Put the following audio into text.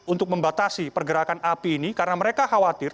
untuk membatasi pergerakan api ini karena mereka khawatir